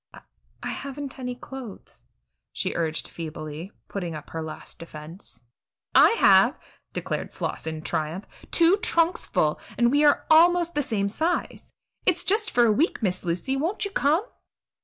"I I haven't any clothes," she urged feebly, putting up her last defense. "I have," declared Floss in triumph "two trunks full, and we are almost the same size. It's just for a week, Miss Lucy; won't you come?"